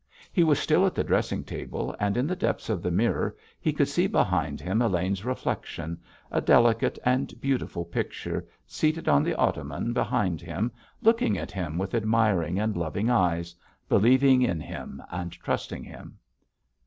He was still at the dressing table, and in the depths of the mirror he could see behind him Elaine's reflection, a delicate and beautiful picture, seated on the ottoman behind him, looking at him with admiring and loving eyes, believing in him, and trusting him.